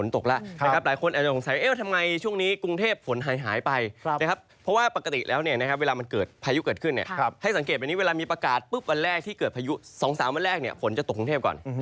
ต้องรีบทำอะไรเพราะว่าขายแป๊บเดียวเดี๋ยวฝนตกล่ะครับ